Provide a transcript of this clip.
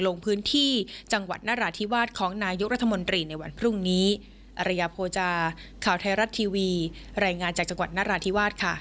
ลงพื้นที่จังหวัดนราธิวาสของนายุครัฐมนตรีในวันพรุ่งนี้